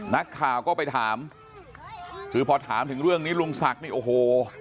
นักข่าวก็ไปถามคือพอถามถึงเรื่องนี้ลุงศักดิ์นี่โอ้โห